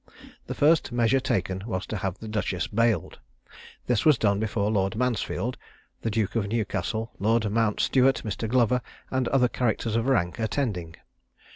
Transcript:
The first measure taken was to have the duchess bailed. This was done before Lord Mansfield; the Duke of Newcastle, Lord Mountstuart, Mr. Glover, and other characters of rank attending.